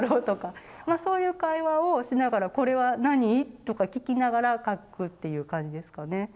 まあそういう会話をしながら「これは何？」とか聞きながら描くっていう感じですかね。